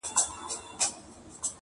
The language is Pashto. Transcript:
تاسي ځئ ما مي قسمت ته ځان سپارلی-